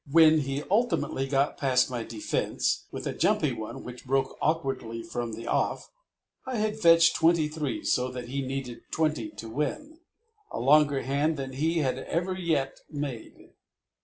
When he ultimately got past my defence, with a jumpy one which broke awkwardly from the off, I had fetched twenty three so that he needed twenty to win, a longer hand than he had ever yet made.